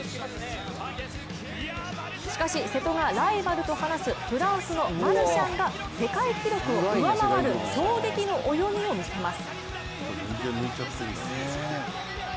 しかし、瀬戸がライバルと話すフランスのマルシャンが世界記録を上回る衝撃の泳ぎを見せます。